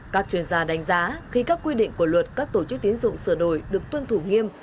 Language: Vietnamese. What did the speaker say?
các chuyên gia đánh giá khi các quy định của luật các tổ chức tiến dụng sửa đổi được tuân thủ nghiêm